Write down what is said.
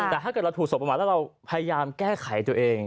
แต่ถ้าเกิดเราถูกส่งประมาณแล้วเราพยายามแก้ไขตัวเอง